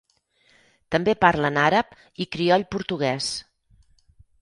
També parlen àrab i crioll portuguès.